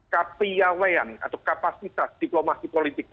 kita bisa mengembalikan nature dari demokrasi itu sendiri